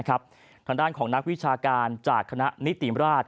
ทางด้านของนักวิชาการจากคณะนิติราช